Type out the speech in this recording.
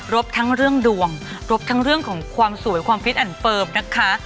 บทั้งเรื่องดวงรบทั้งเรื่องของความสวยความฟิตอันเฟิร์มนะคะ